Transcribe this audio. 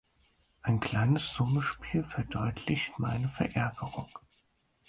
Ein kleines Summenspiel verdeutlicht meine Verärgerung.